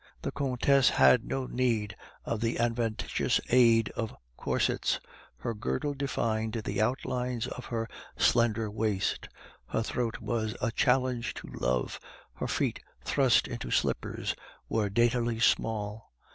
The Countess had no need of the adventitious aid of corsets; her girdle defined the outlines of her slender waist; her throat was a challenge to love; her feet, thrust into slippers, were daintily small.